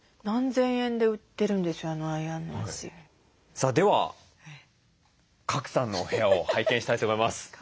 さあでは賀来さんのお部屋を拝見したいと思います。